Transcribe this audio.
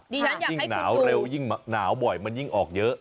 ดิฉันอยากให้คุณคุยยิ่งหนาวเร็วยิ่งหนาวบ่อยมันยิ่งออกเยอะ